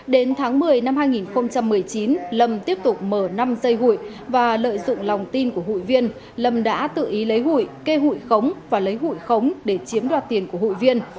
đến tháng một mươi năm hai nghìn một mươi chín lâm tiếp tục mở năm dây hụi và lợi dụng lòng tin của hụi viên lâm đã tự ý lấy hụi kê hụi khống và lấy hụi khống để chiếm đoạt tiền của hụi viên